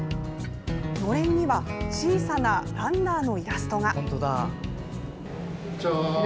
のれんには小さなランナーのイラストが。